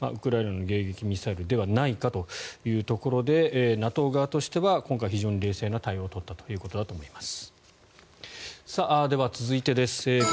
ウクライナの迎撃ミサイルではないかというところでＮＡＴＯ側としては今回、非常に冷静な対応を取ったということだと思います。